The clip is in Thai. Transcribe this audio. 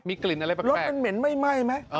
มีกลิ่นอะไรประแทบรถมันเหม็นไม่ไหม